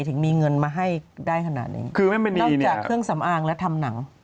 ถึงมีเงินมาให้ได้ขนาดนี้คือไม่มีนอกจากเครื่องสำอางและทำหนัง